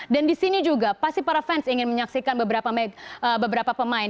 dan di sini juga pasti para fans ingin menyaksikan beberapa pemain